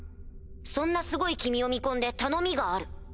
そんなすごい君を見込んで頼みがある。